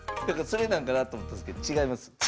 だからそれなんかなと思ったんですけど違います？